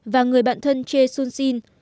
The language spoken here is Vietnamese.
và người bạn thân choi soon sin